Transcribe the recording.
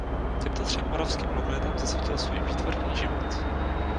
Těmto třem moravským lokalitám zasvětil svůj výtvarný život.